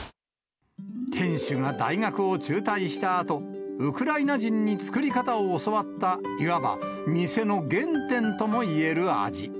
店主が大学を中退したあと、ウクライナ人に作り方を教わった、いわば店の原点ともいえる味。